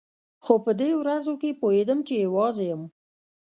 خو په دې ورځو کښې پوهېدم چې يوازې يم.